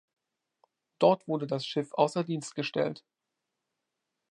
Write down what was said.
Dort wurde das Schiff außer Dienst gestellt.